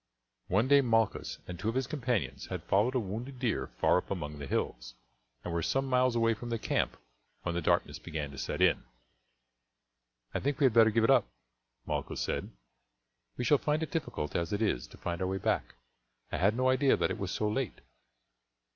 One day Malchus and two of his companions had followed a wounded deer far up among the hills, and were some miles away from the camp when the darkness began to set in. "I think we had better give it up," Malchus said; "we shall find it difficult as it is to find our way back; I had no idea that it was so late."